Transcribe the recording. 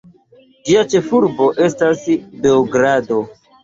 Ĝia ĉefurbo estas Beogrado.